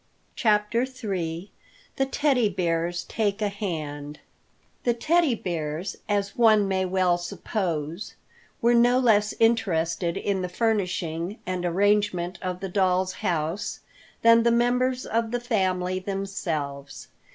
CHAPTER III THE TEDDY BEARS TAKE A HAND THE Teddy Bears, as one may well suppose, were no less interested in the furnishing and arrangement of the doll's house than the members of the family themselves.